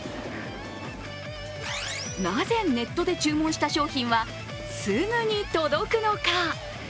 なぜネットで注文した商品はすぐに届くのか？